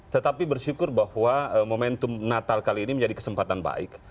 tetapi bersyukur bahwa momentum natal kali ini menjadi kesempatan baik